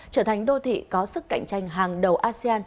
trở thành đô thị có sức cạnh tranh hàng đầu asean